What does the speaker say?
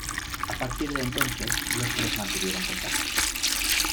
A partir de entonces los tres mantuvieron contacto.